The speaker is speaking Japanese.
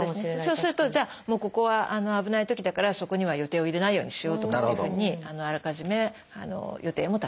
そうするとじゃあもうここは危ないときだからそこには予定を入れないようにしようとかというふうにあらかじめ予定も立つと。